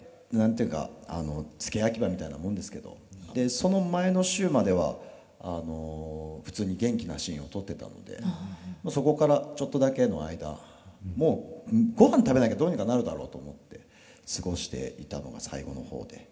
その前の週までは普通に元気なシーンを撮ってたのでそこからちょっとだけの間もうごはん食べなきゃどうにかなるだろうと思って過ごしていたのが最後の方で。